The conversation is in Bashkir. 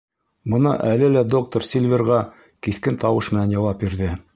Бына әле лә доктор Сильверға киҫкен тауыш менән яуап бирҙе: